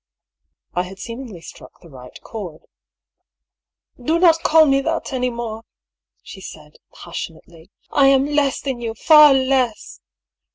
I had seemingly struck the right chord. ^* Do not call me that any more !" she said, passion ately. " I am less than you I Far less